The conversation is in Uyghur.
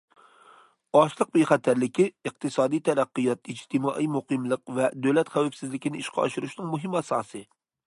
ئاشلىق بىخەتەرلىكى ئىقتىسادىي تەرەققىيات، ئىجتىمائىي مۇقىملىق ۋە دۆلەت خەۋپسىزلىكىنى ئىشقا ئاشۇرۇشنىڭ مۇھىم ئاساسى.